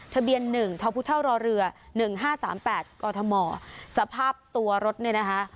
ทะเบียนหนึ่งท้าวพุท่าวรอเรือ๑๕๓๘กอทมสภาพตัวรถเนี่ยนะคะ